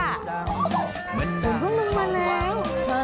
มันมาแล้วมันมาเลย